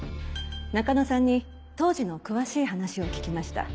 中野さんに当時の詳しい話を聞きました。